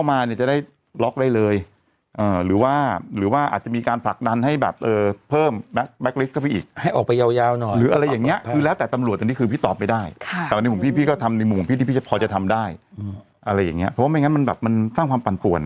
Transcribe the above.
มุมพี่ที่พี่พอจะทำได้อะไรอย่างเงี้ยเพราะว่าไม่งั้นมันแบบมันสร้างความปั่นป่วนอ่ะ